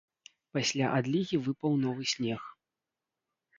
Пасля адлігі выпаў новы снег.